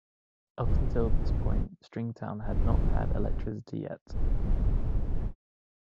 Up until this point Stringtown had not had electricity yet.